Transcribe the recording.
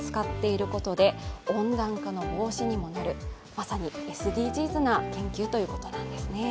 まさにＳＤＧｓな研究ということなんですね。